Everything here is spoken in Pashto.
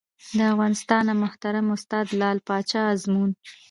له افغانستانه محترم استاد لعل پاچا ازمون